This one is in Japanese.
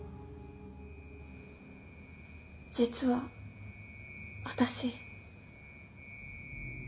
実は私。